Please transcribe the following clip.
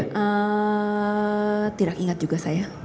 saya tidak ingat juga saya